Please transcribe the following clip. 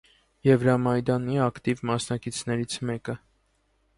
Եվրամայդանի ակտիվ մասնակիցներից մեկը։